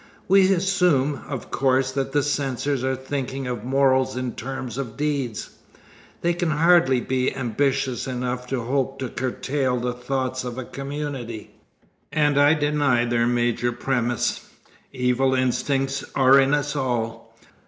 We assume, of course, that the censors are thinking of morals in terms of deeds. They can hardly be ambitious enough to hope to curtail the thoughts of a community. And I deny their major premise. Evil instincts are in us all.